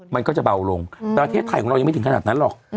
มันก็จะเบาลงประเทศไทยของเรายังไม่ถึงขนาดนั้นหรอก